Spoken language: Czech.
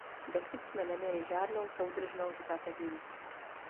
Dosud jsme neměli žádnou soudržnou strategii.